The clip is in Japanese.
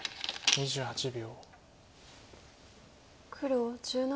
２８秒。